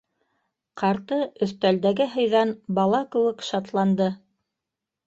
Ҡарты өҫтәлдәге һыйҙан бала кеүек шатланды: